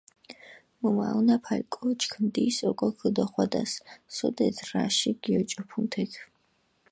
მჷმაჸონაფალი კოჩქ ნდის ოკო ქჷდოხვადას, სოდეთ რაში გიოჭოფუნ თექ.